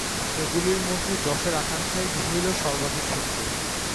এগুলির মধ্যে যশের আকাঙ্ক্ষাই হইল সর্বাধিক শত্রু।